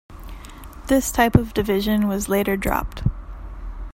This type of division was later dropped.